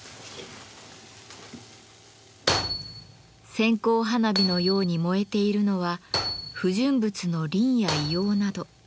線香花火のように燃えているのは不純物のリンや硫黄など。